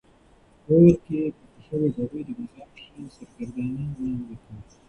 کور کې پخه شوې ډوډۍ د بازار په شان سرګردان نه کوي.